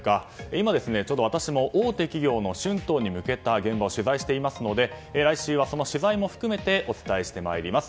今、私も大手企業の春闘に向けた現場を取材していますので来週は取材も含めてお伝えしてまいります。